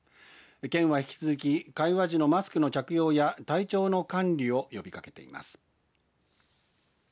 県は引き続き会話時のマスクの着用や体調の管理を呼びかけています。